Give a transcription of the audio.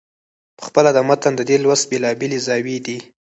پخپله د متن د دې لوست بېلابېلې زاويې دي.